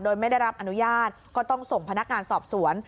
โดยไม่ได้รับอนุญาตก็ต้องส่งพนักงานสอบสวน